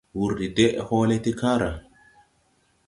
Wùr deʼ hɔɔlɛ ti kããra.